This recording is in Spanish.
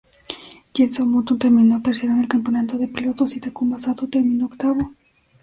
Jenson Button terminó tercero en el campeonato de pilotos, y Takuma Sato terminó octavo.